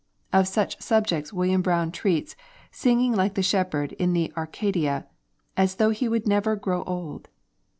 Of such subjects William Browne treats, singing like the shepherd in the 'Arcadia,' as though he would never grow old.